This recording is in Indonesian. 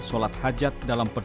perang tu amat belilah perang